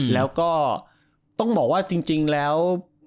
แล้วก็ต้องบอกว่าจริงแล้ว